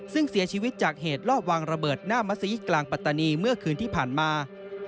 ซึ่งเสียชีวิตจากเหตุรอบวางระเบิดหน้ามัศยิตกลางปัตตานีเมื่อคืนที่ผ่านมา